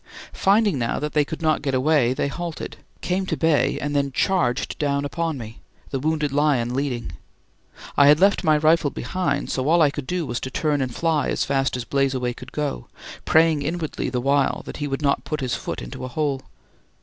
Finding now that they could not get away, they halted; came to bay and then charged down upon me, the wounded lion leading. I had left my rifle behind, so all I could do was to turn and fly as fast as "Blazeaway" could go, praying inwardly the while that he would not put his foot into a hole.